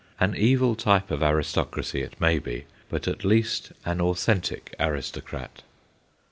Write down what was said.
An evil type of aristocracy, it may be, but at least an authentic aristocrat.